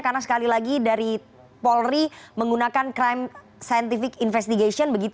karena sekali lagi dari polri menggunakan crime scientific investigation